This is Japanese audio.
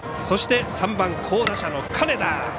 そして、３番、好打者の金田。